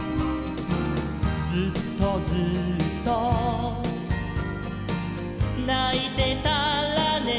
「ずっとずっとないてたらね」